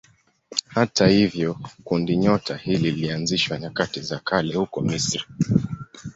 Hata hivyo kundinyota hili lilianzishwa nyakati za kale huko Misri.